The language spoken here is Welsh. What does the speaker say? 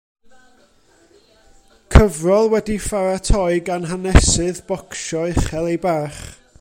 Cyfrol wedi'i pharatoi gan hanesydd bocsio uchel ei barch.